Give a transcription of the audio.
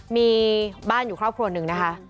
มีบ้านอยู่ครอบครัวหนึ่งนะคะ